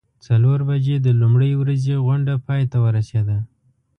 څلور بجې د لومړۍ ورځې غونډه پای ته ورسیده.